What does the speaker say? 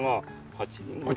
８人？